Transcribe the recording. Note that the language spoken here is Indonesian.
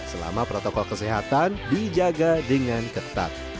selama protokol kesehatan dijaga dengan ketat